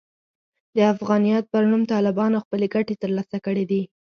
د افغانیت پر نوم طالبانو خپلې ګټې ترلاسه کړې دي.